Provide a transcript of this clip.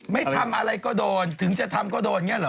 ไม่ทำอะไรก็โดนถึงจะทำก็โดนอย่างนี้เหรอ